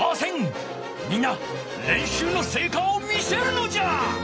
れんしゅうのせいかを見せるのじゃ！